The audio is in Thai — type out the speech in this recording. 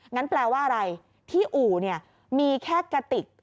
งั้นแปลว่าอะไรที่อู่เนี่ยมีแค่กระติก